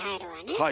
はい。